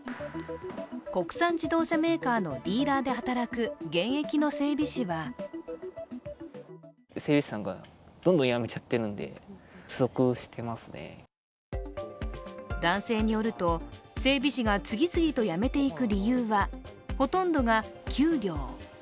国産自動車メーカーのディーラーで働く現役の整備士は男性によると、整備士が次々と辞めていく理由は、ほとんどが給料。